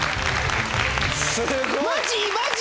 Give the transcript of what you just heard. すごい。